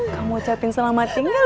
kamu ucapin selamat tinggal